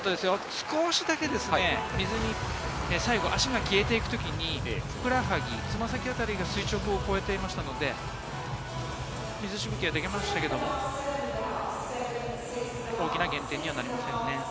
少しだけ水に足が消えていく時にふくらはぎ、つま先あたりが垂直を超えていましたので、水しぶきができましたけれども、大きな減点にはなりませんね。